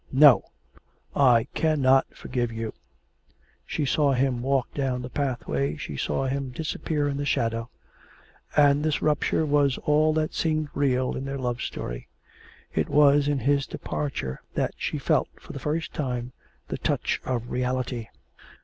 'No, I cannot forgive you.' She saw him walk down the pathway, she saw him disappear in the shadow. And this rupture was all that seemed real in their love story. It was in his departure that she felt, for the first time, the touch of reality.